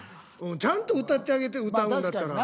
ちゃんと歌ってあげて歌うんだったら。